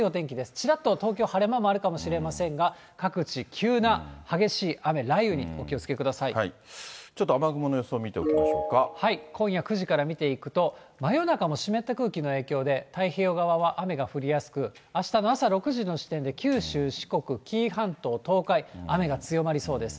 ちらっと東京晴れ間もあるかもしれませんが、各地、急な激しい雨、ちょっと雨雲の予想を見てお今夜９時から見ていくと、真夜中も湿った空気の影響で、太平洋側は雨が降りやすく、あしたの朝６時の時点で九州、四国、紀伊半島、東海、雨が強まりそうです。